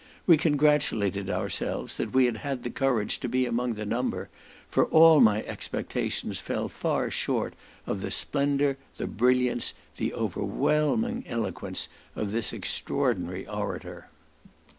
We congratulated ourselves that we had had the courage to be among the number, for all my expectations fell far short of the splendour, the brilliance, the overwhelming eloquence of this extraordinary orator.